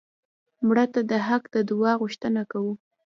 مړه ته د حق د دعا غوښتنه کوو